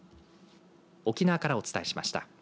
沖縄からお伝えしました。